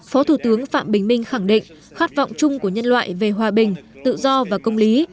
phó thủ tướng phạm bình minh khẳng định khát vọng chung của nhân loại về hòa bình tự do và công lý